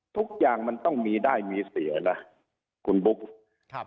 ทุกอย่างมันต้องมีได้มีเสียนะคุณบุ๊คครับ